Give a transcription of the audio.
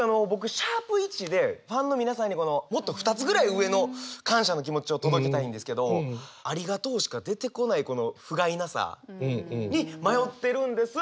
僕＃１でファンの皆さんにもっと２つぐらい上の感謝の気持ちを届けたいんですけど「『ありがとう』しか出てこないこのふがいなさに迷ってるんです」